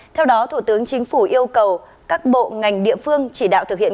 theo đó thủ tướng chính phủ yêu cầu các bộ ngành địa phương chỉ đạo thực hiện